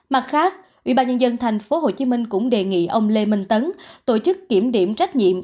mặt khác ubnd tp hcm cũng đề nghị ông lê minh tấn tổ chức kiểm điểm trách nhiệm